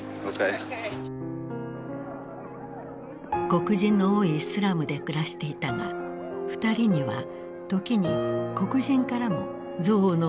黒人の多いスラムで暮らしていたが二人には時に黒人からも憎悪の目が向けられていた。